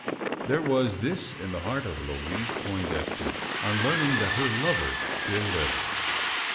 There was this in the heart of Louise Poindexter, on learning that her lover still lived.